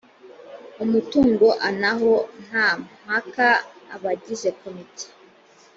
umutungo anaho nta mpaka abagize komite